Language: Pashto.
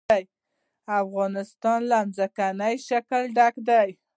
افغانستان له ځمکنی شکل ډک دی.